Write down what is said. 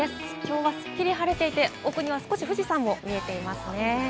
今日はすっきり晴れていて、奥には少し富士山も見えていますね。